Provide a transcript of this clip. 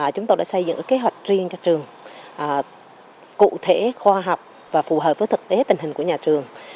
chúng tôi đã xây dựng kế hoạch riêng cho trường cụ thể khoa học và phù hợp với thực tế tình hình của nhà trường